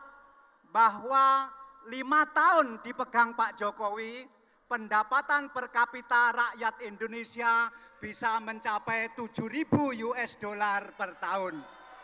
jadi saya berharap bahwa lima tahun dipegang pak jokowi pendapatan per kapita rakyat indonesia bisa mencapai tujuh ribu usd per tahun